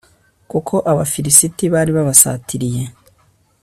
kuko abafilisiti bari babasatiriye